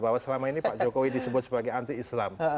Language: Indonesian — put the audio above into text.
bahwa selama ini pak jokowi disebut sebagai anti islam